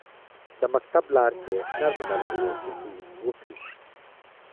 د مکتب لارکې نرمه، نرمه موسیقي وکري